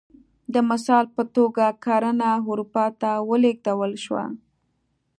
د مثال په توګه کرنه اروپا ته ولېږدول شوه